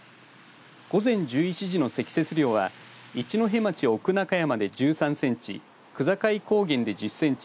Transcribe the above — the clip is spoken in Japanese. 午前１１時の積雪量は一戸町奥中山で１３センチ区界高原で１０センチ